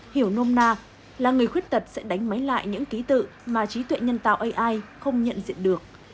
hiểu nôm na là người khuyết tật sẽ đánh máy lại những ký tự mà trí tuệ nhân tạo ai không nhận diện được